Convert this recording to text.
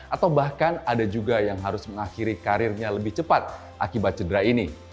atau bahkan ada juga yang harus mengakhiri karirnya lebih cepat akibat cedera ini